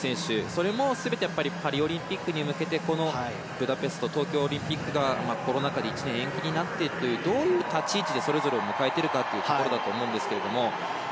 それも全てパリオリンピックに向けてブダペストや東京オリンピックがコロナ禍で１年延期になってどういう立ち位置でそれぞれ迎えているかというところだと思いますけれども。